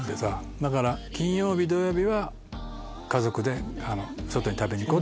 だから金曜日土曜日は家族で外に食べに行こう。